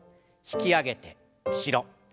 引き上げて後ろ。